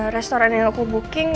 restoran yang aku booking